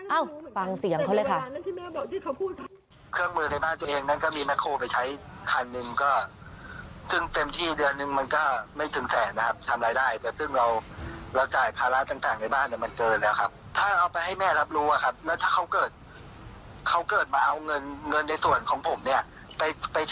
เอ้าฟังเสียงเขาเลยค่ะ